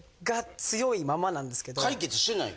解決してないの？